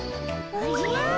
おじゃ！